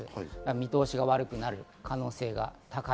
見通しが悪くなる可能性が高い。